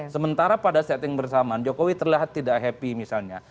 sementara pada setting bersamaan jokowi terlihat tidak happy misalnya